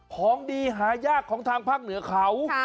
ของดีหายากของทางภาคเหนือเขา